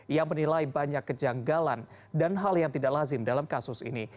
ia menilai banyak kejanggalan dan hal yang tidak lazim dalam kasus ini